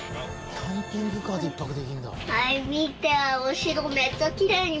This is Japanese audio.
キャンピングカーで１泊できんだ。